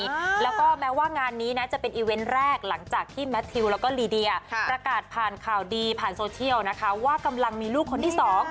แล้วก็แม้ว่างานนี้นะจะเป็นอีเวนต์แรกหลังจากที่แมททิวแล้วก็ลีเดียประกาศผ่านข่าวดีผ่านโซเชียลนะคะว่ากำลังมีลูกคนที่สอง